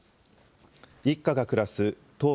一家が暮らす東部